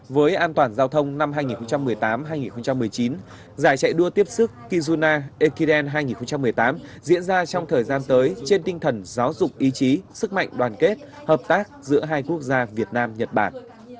với an toàn giao thông năm hai nghìn một mươi tám hai nghìn một mươi chín giải chạy đua tiếp sức kizuna ekiden hai nghìn một mươi tám diễn ra trong thời gian tới trên tinh thần giáo dục ý chí sức mạnh đoàn kết hợp tác giữa hai quốc gia việt nam nhật bản